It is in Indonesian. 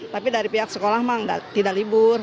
tapi dari pihak sekolah memang tidak libur